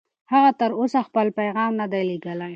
هغه تر اوسه خپل پیغام نه دی لېږلی.